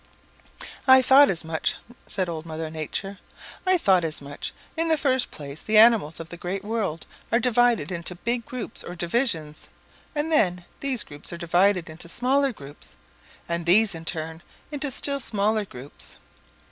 "I thought as much," said Old Mother Nature. "I thought as much. In the first place, the animals of the Great World are divided into big groups or divisions, and then these groups are divided into smaller groups, and these in turn into still smaller groups.